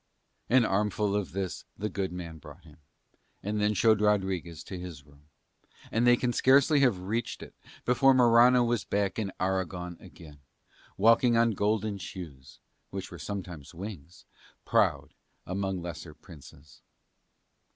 An armful of this the good man brought him, and then showed Rodriguez to his room; and they can scarcely have reached it before Morano was back in Aragon again, walking on golden shoes (which were sometimes wings), proud among lesser princes.